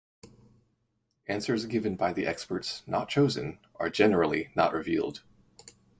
Answers given by the experts not chosen are generally not revealed.